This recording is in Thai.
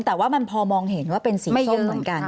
แต่ว่ามันพอมองเห็นว่าเป็นสีส้มเหมือนกัน